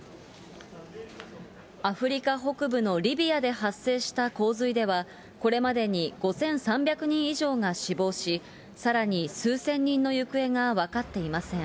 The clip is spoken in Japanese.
アフリカ北部のリビアで発生した洪水では、これまでに５３００人以上が死亡し、さらに数千人の行方が分かっていません。